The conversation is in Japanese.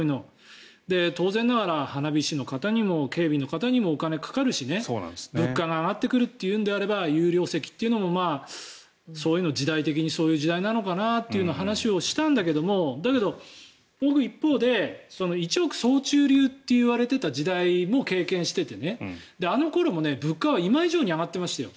当然ながら花火師の方にも、警備の方にもお金がかかるし物価が上がってくるのであれば有料席というのも時代的にそういう時代なのかなという話をしたんだけどだけど僕、一方で一億総中流といわれていた時代も経験していて、あの頃も物価は今以上に上がってましたよ。